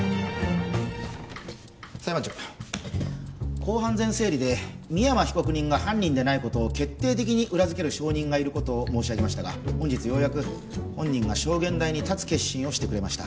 裁判長公判前整理で深山被告人が犯人でないことを決定的に裏付ける証人がいることを申し上げましたが本日ようやく本人が証言台に立つ決心をしてくれました